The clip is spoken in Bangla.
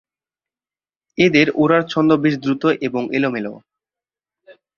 এদের ওড়ার ছন্দ বেশ দ্রুত এবং এলোমেলো।